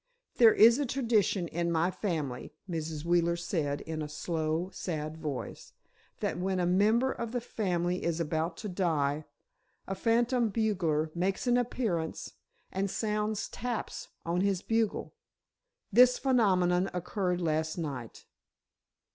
"There is a tradition in my family," Mrs. Wheeler said, in a slow, sad voice, "that when a member of the family is about to die, a phantom bugler makes an appearance and sounds 'taps' on his bugle. This phenomenon occurred last night."